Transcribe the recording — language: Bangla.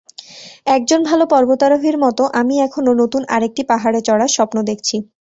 একজন ভালো পর্বতারোহীর মতো, আমি এখনো নতুন আরেকটি পাহাড়ে চড়ার স্বপ্ন দেখছি।